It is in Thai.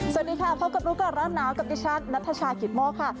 สวัสดีค่ะพบกับลูกร้านน้าวกับดิฉันนัทชาขีดมกค่ะ